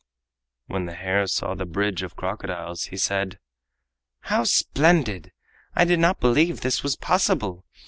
When the hare saw the bridge of crocodiles, he said: "How splendid! I did not believe this was possible.